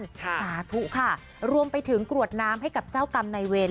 สาธุค่ะรวมไปถึงกรวดน้ำให้กับเจ้ากรรมในเวร